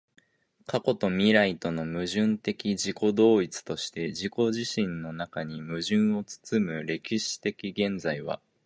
過去と未来との矛盾的自己同一として自己自身の中に矛盾を包む歴史的現在は、